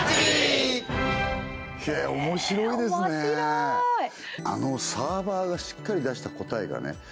へえ面白いあのサーバーがしっかり出した答えがね